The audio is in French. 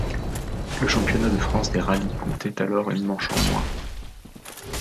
Le championnat de France des rallyes comptait alors une manche en moins.